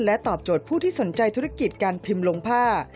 ตอบโจทย์ผู้ที่สนใจธุรกิจการพิมพ์ลงผ้า